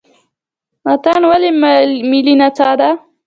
اتن ولې ملي نڅا ده؟